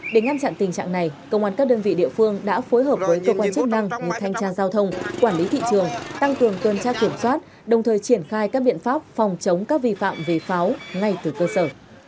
để ngăn chặn tình trạng này công an các đơn vị địa phương đã phối hợp với cơ quan chức năng như thanh tra giao thông quản lý thị trường tăng cường tuần tra kiểm soát đồng thời triển khai các biện pháp phòng chống các vi phạm về pháo ngay từ cơ sở